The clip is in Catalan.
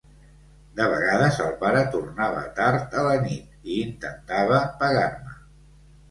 De vegades el pare tornava tard a la nit i intentava pegar-me.